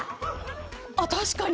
あ確かに。